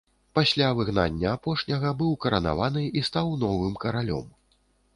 Пасля выгнання апошняга быў каранаваны і стаў новым каралём.